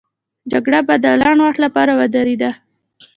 جګړه به د لنډ وخت لپاره ودرېده.